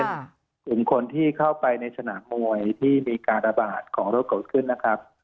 กลุ่มคนที่เข้าไปในสนามมวยที่มีการระบาดของรถเกิดขึ้นนะครับ